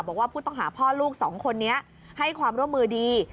บอกว่าผู้ต้องหาพ่อลูกสองคนนี้ให้ความร่วมมือดี